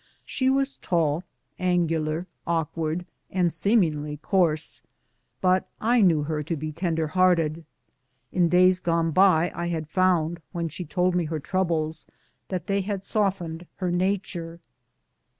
She was tall, angular, awkward, and seemingly coarse, but I knew her to be tender hearted. In days gone by I had found, when she told me her troubles, that they had softened her nature.